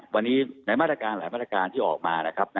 วันนี้ในมาตรการหลายมาตรการที่ออกมานะครับ